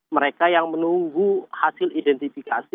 mereka yang menunggu hasil identifikasi